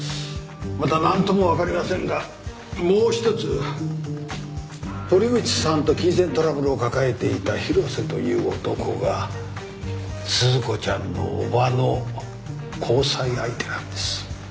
まだ何とも分かりませんがもう一つ堀口さんと金銭トラブルを抱えていた広瀬という男が鈴子ちゃんの叔母の交際相手なんです。